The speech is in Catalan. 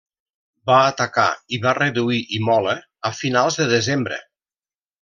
Va atacar i va reduir Imola a finals de desembre.